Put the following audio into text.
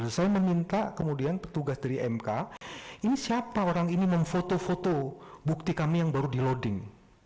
saya meminta kemudian petugas dari mk ini siapa orang ini memfoto foto bukti kami yang baru di loading